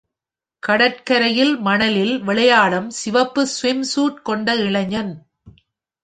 கடல் கரையில் மணலில் விளையாடும் சிவப்பு ஸ்விம் சூட் கொண்ட இளைஞன்.